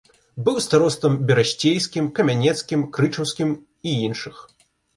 Быў старостам берасцейскім, камянецкім, крычаўскім і іншых.